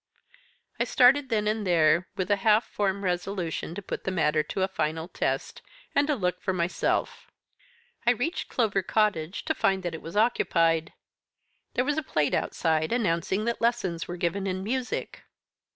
I started then and there with a half formed resolution to put the matter to a final test, and to look for myself. I reached Clover Cottage to find that it was occupied. There was a plate outside, announcing that lessons were given in music.